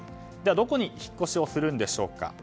どこに引っ越しをするんでしょうか。